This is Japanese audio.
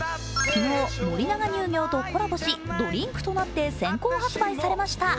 昨日、森永乳業とコラボし、ドリンクとして先行発売されました。